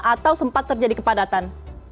atau sempat terjadi kepadatan